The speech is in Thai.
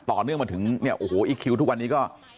ต่อเนื่องมาถึงอิคคิวทุกวันนี้ก็